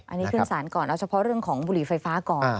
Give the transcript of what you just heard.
อันนี้ขึ้นสารก่อนเอาเฉพาะเรื่องของบุหรี่ไฟฟ้าก่อน